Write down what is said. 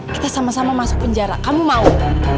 kita sama sama masuk penjara kamu mau